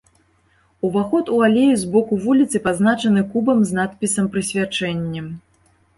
Уваход у алею з боку вуліцы пазначаны кубам з надпісам-прысвячэннем.